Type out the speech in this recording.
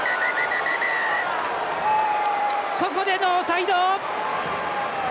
ここでノーサイド！